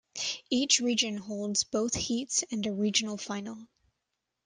Each region holds both heats and a regional final.